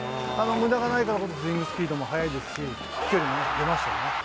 むだがないから、スイングスピードも速いですし、飛距離も出ましたね。